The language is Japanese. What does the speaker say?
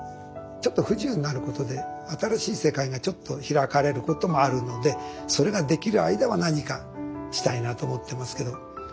ちょっと不自由になることで新しい世界がちょっと開かれることもあるのでそれができる間は何かしたいなと思ってますけど。